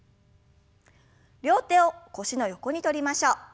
両手を腰の横にとりましょう。